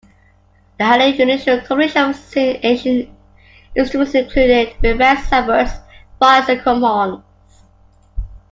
The highly unusual combination of ancient instruments included rebecs, sackbuts, viols and crumhorns.